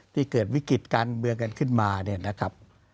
ที่เกิดวิกฤติการเมืองกันขึ้นมา